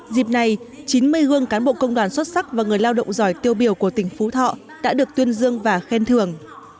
dịp này chín mươi gương cán bộ công đoàn xuất sắc và người lao động giỏi tiêu biểu của tỉnh phú thọ đã được tuyên dương và khen thưởng